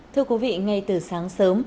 thưa quý vị ngay từ sáng sớm